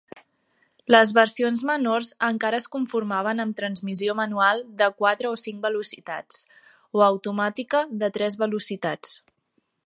Les versions menors encara es conformaven amb transmissió manual de quatre o cinc velocitats, o automàtica de tres velocitats.